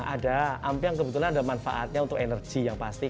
ada ampiang kebetulan ada manfaatnya untuk energi yang pasti